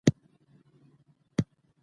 سیاسي واک باید کنټرول شي